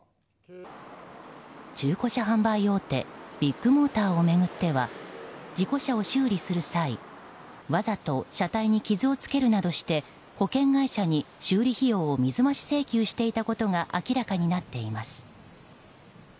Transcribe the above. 中古車販売大手ビッグモーターを巡っては事故車を修理する際わざと車体に傷をつけるなどして保険会社に修理費用を水増し請求していたことが明らかになっています。